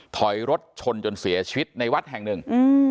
ถอยรถชนจนเสียชีวิตในวัดแห่งหนึ่ง